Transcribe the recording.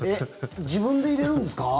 自分で入れるんですか？